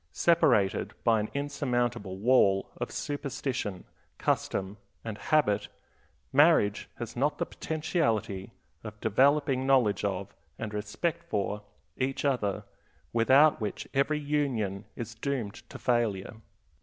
Separated by an insurmountable wall of superstition, custom, and habit, marriage has not the potentiality of developing knowledge of, and respect for, each other, without which every union is doomed to failure.